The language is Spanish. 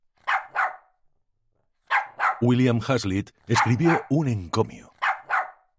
William Hazlitt escribió un encomio.